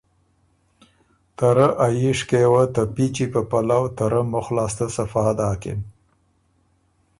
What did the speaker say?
ته ره ا ییشکئ یه وه ته پیچی په پلؤ ته رۀ مُخ لاسته صفا داکِن